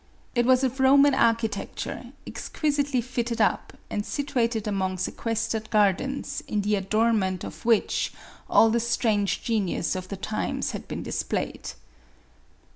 It was of Roman architecture, exquisitely fitted up, and situated among sequestered gardens, in the adornment of which all the strange genius of the times had been displayed.